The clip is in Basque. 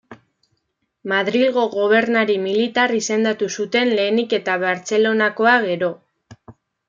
Madrilgo gobernari militar izendatu zuten lehenik eta Bartzelonakoa gero.